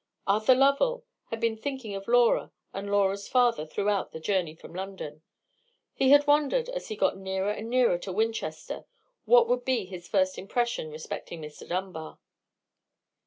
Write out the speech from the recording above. Arthur Lovell had been thinking of Laura and Laura's father throughout the journey from London. He had wondered, as he got nearer and nearer to Winchester, what would be his first impression respecting Mr. Dunbar.